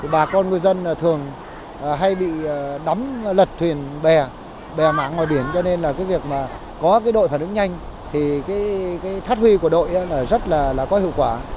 bà con ngư dân thường hay bị đắm lật thuyền bè bè mảng ngoài biển cho nên là cái việc mà có cái đội phản ứng nhanh thì cái phát huy của đội rất là có hiệu quả